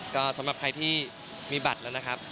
ก็สำหรับใครที่มีบัตรแล้วนะครับ